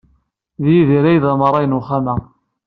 D Yidir ay d amṛay n uxxam-a.